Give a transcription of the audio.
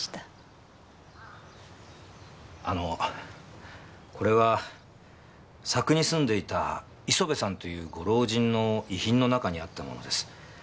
あのこれは佐久に住んでいた磯部さんというご老人の遺品の中にあったものです。